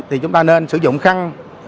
thì chúng ta nên sử dụng khăn